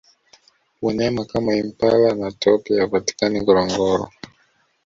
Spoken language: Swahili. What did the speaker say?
wanyama kama impala na topi hawapatikani ngorongoro